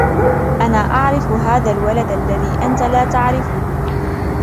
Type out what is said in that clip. أنا أعرف هذا الولد الذي أنت لا تعرفه